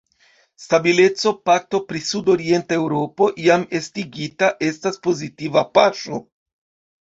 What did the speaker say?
Stabileco-pakto pri sud-orienta Eŭropo, jam estigita, estas pozitiva paŝo.